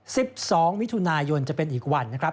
สิบสองมิถุนายนจะเป็นอีกวันนะครับ